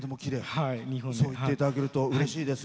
そう言っていただけるとうれしいです。